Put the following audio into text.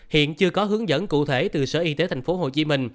hiện chưa có hướng dẫn cụ thể từ sở y tế tp hcm